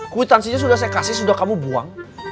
kwitansinya sudah saya kasih sudah kamu buang